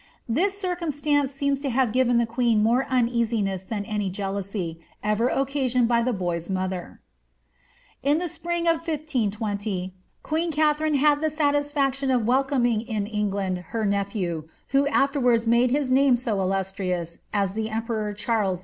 This circumstance seems to have given the queen more uneasiness than any jealousy ever occasioned by the boy's mother. In the spring of 1520 queen Katharine had the satisfaction of wel eoming in England her nephew, who afterwards made his name so illus trious as the emperor Charles V.